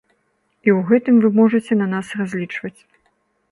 І ў гэтым вы можаце на нас разлічваць.